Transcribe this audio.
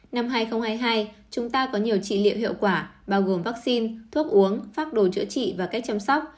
năm hai nghìn hai mươi hai chúng ta có nhiều trị liệu hiệu quả bao gồm vaccine thuốc uống pháp đồ chữa trị và cách chăm sóc